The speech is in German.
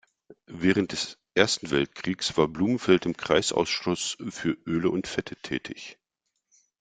Während des Ersten Weltkriegs war Blumenfeld im Kreisausschuss für Öle und Fette tätig.